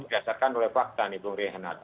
misalkan oleh fakta nih tunggu rehenat